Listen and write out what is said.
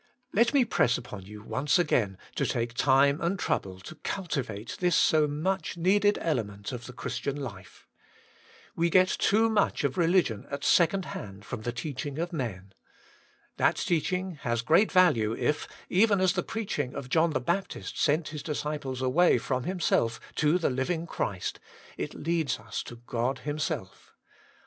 Let me press upon you once again to take time and trouble to cultivate this so much needed element of the Christian life. We get too much of religion at second hand from the teaching of men. That teaching has great value if, even as the preaching of John the Baptist sent his disciples away from himself to the Living Christ, it leads us to God Himself.